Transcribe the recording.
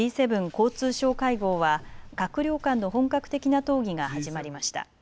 交通相会合は閣僚間の本格的な討議が始まりました。